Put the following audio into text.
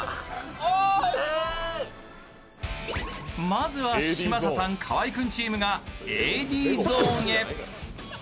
まずは嶋佐さん・河合君チームがＡＤゾーンへ。